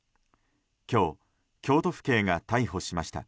今日、京都府警が逮捕しました。